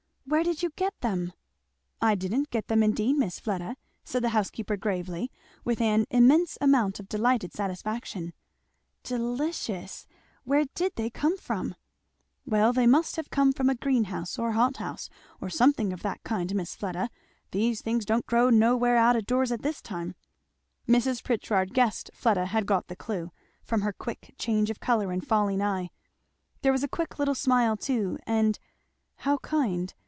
"Where did you get them?" "I didn't get them indeed, Miss Fleda," said the housekeeper gravely, with an immense amount of delighted satisfaction. "Delicious! Where did they come from?" "Well they must have come from a greenhouse, or hot house, or something of that kind, Miss Fleda, these things don't grow nowhere out o' doors at this time." Mrs. Pritchard guessed Fleda had got the clue, from her quick change of colour and falling eye. There was a quick little smile too; and "How kind!"